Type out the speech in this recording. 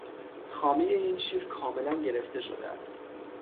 خامهی این شیر کاملا گرفته شده است.